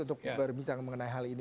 untuk berbicara mengenai hal ini